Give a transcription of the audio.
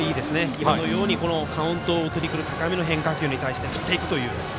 今のようにカウントをとりにくる高めの変化球に対して振っていくという。